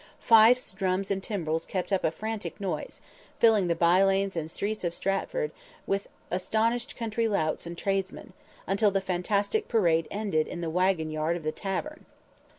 Fifes, drums and timbrels kept up a frantic noise, filling the bylanes and streets of Stratford with astonished country louts and tradesmen, until the fantastic parade ended in the wagon yard of the tavern.